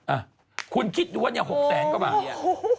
อ่ะคุณคิดอยู่ว่า๖แสนกว่าบาทนี้